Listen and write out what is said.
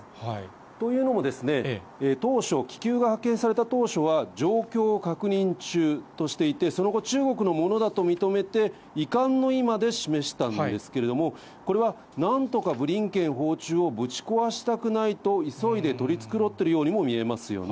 というのもですね、当初、気球が発見された当初は、状況を確認中としていて、その後、中国のものだと認めて、遺憾の意まで示したんですけれども、これは、なんとかブリンケン訪中をぶち壊したくないと急いで取り繕ってるようにも見えますよね。